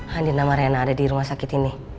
hadir nama rena ada di rumah sakit ini